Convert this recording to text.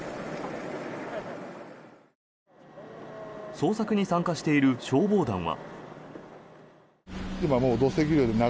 捜索に参加している消防団は。